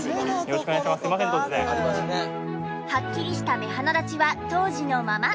はっきりした目鼻立ちは当時のまま。